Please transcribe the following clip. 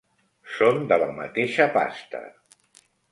Són de la mateixa pasta.